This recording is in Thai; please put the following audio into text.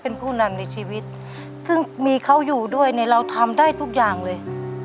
เป็นผู้นำในชีวิตซึ่งมีเขาอยู่ด้วยเนี่ยเราทำได้ทุกอย่างเลย